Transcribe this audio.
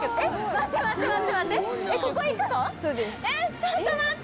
ちょっと待って！